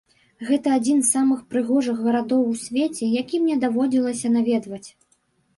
Гэта адзін з самых прыгожых гарадоў у свеце, які мне даводзілася наведваць.